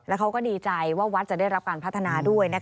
เขาก็ดีใจว่าวัดจะได้รับการพัฒนาด้วย